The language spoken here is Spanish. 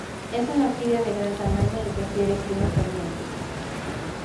Es una orquídea de un gran tamaño, que prefiere clima caliente.